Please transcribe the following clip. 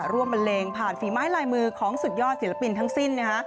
บันเลงผ่านฝีไม้ลายมือของสุดยอดศิลปินทั้งสิ้น